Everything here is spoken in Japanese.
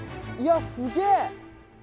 いやすげえ！